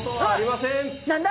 何だ？